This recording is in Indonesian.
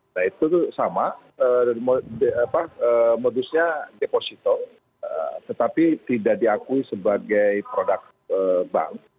nah itu sama modusnya deposito tetapi tidak diakui sebagai produk bank